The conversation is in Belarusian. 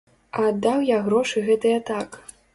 А аддаў я грошы гэтыя так.